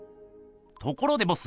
ところでボス